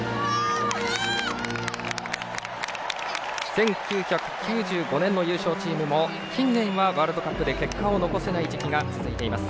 １９９５年の優勝チームも近年はワールドカップで結果を残せない時期が続いています。